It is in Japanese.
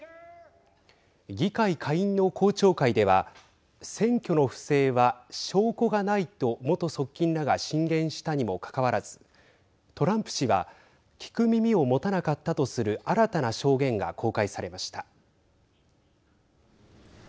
議会下院の公聴会では選挙の不正は証拠がないと元側近らが進言したにもかかわらずトランプ氏は聞く耳を持たなかったとする新たな証言が公開されました。